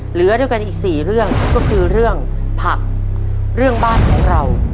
เหลือด้วยกันอีกสี่เรื่องก็คือเรื่องผักเรื่องบ้านของเรา